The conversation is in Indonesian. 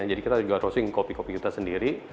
jadi kita juga roasting kopi kopi kita sendiri